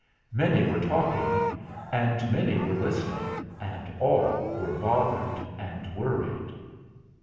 Many were talking, and many were listening, and all were bothered and worried.